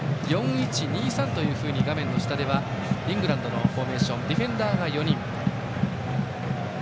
４−１−２−３というふうに画面の下ではイングランドのフォーメーションディフェンダーが４人。